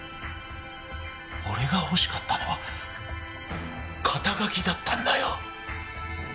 俺が欲しかったのは肩書だったんだよ。